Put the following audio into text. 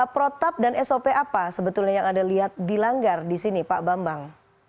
protap dan sop apa sebetulnya yang anda lihat dilanggar di sini pak bambang